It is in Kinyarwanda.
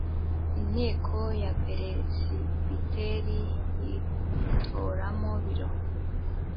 inteko ya peresibiteri yitoramo biro